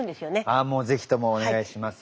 ああもう是非ともお願いします。